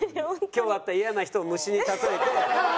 今日会ったイヤな人を虫に例えて。